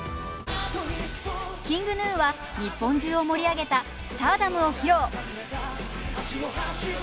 ＫｉｎｇＧｎｕは日本中を盛り上げた「Ｓｔａｒｄｏｍ」を披露。